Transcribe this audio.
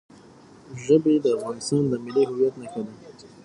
ژبې د افغانستان د ملي هویت نښه ده.